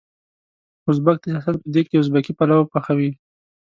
ازبک د سياست په دېګ کې ازبکي پلو پخوي.